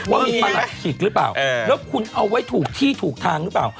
ว่ามีประหลัดฉีกหรือเปล่าแล้วคุณเอาไว้ถูกที่ถูกทางหรือเปล่า